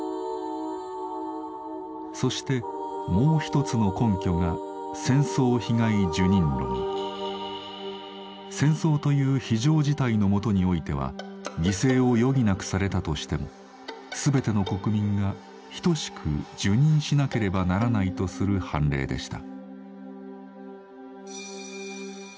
そしてもう一つの根拠が「戦争という非常事態のもとにおいては犠牲を余儀なくされたとしても全ての国民が等しく受忍しなければならない」とする判例でした。